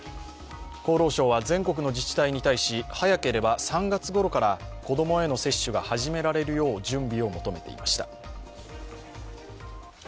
厚労省は全国の自治体に対し、早ければ３月ごろから子供への接種が始められるよう準備を求めていました。